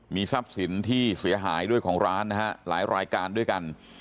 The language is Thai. มีทรัพย์สินที่เสียหายด้วยของร้านนะฮะหลายรายการด้วยกัน